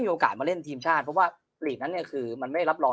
โอกาสมาเล่นทีมชาติเพราะว่าลีกนั้นเนี่ยคือมันไม่รับรอง